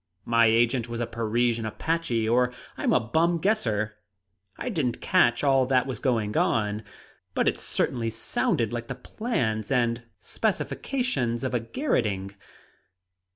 "My agent was a Parisian apache, or I'm a bum guesser! I didn't catch all that was going on, but it certainly sounded like the plans and specifications of a garroting!"